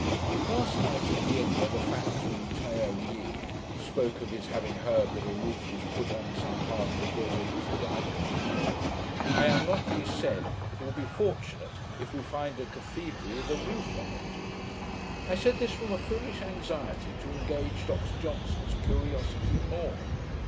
'] Last night at the inn, when the factor in Tyr yi spoke of his having heard that a roof was put on some part of the buildings at Icolmkill, I unluckily said, 'It will be fortunate if we find a cathedral with a roof on it.' I said this from a foolish anxiety to engage Dr Johnson's curiosity more.